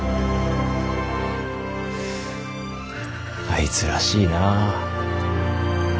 あいつらしいな。